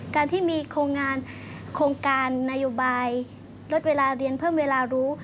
การที่มีโครงงานโครงการนโยบายลดเวลาเรียนเพิ่มเวลารู้